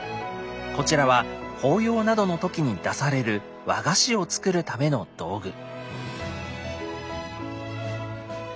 こちらは法要などの時に出される和菓子を作るための道具。